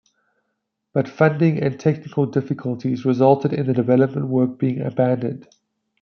But funding and technical difficulties resulted in the development work being abandoned.